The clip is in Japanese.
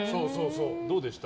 どうでした？